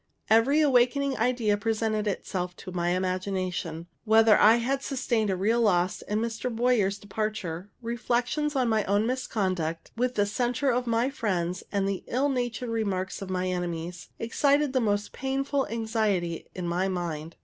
Every awakening idea presented itself to my imagination; whether I had sustained a real loss in Mr. Boyer's departure, reflections on my own misconduct, with the censure of my friends, and the ill natured remarks of my enemies, excited the most painful anxiety in my mind.